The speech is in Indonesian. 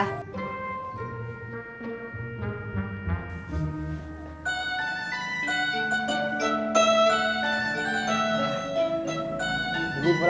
ini perang dulu ya iya